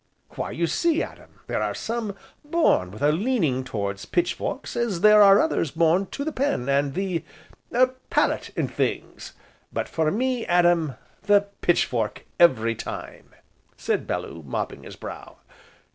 "Why you see, Adam, there are some born with a leaning towards pitch forks, as there are others born to the pen, and the er palette, and things, but for me, Adam, the pitch fork, every time!" said Bellew, mopping his brow.